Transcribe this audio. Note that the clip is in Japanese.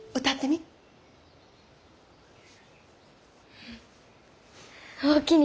うんおおきに。